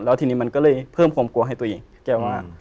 แล้วทีนี้มันก็เลยเพิ่มความกลัวให้ตัวเองแกว่า